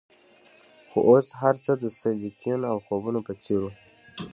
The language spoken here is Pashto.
خو اوس هرڅه د سیلیکون او خوبونو په څیر وو